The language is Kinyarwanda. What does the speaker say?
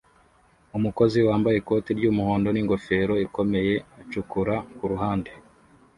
Umukozi wambaye ikoti ry'umuhondo n'ingofero ikomeye acukura kuruhande